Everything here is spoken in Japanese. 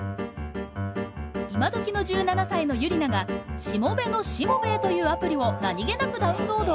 今どきの１７歳のユリナが「しもべのしもべえ」というアプリを何気なくダウンロード。